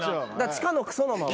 地下のクソのまま。